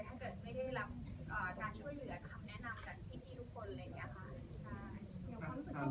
ถ้าเกิดไม่ได้รับการช่วยเหลือนะครับแนะนำจากที่ที่ทุกคน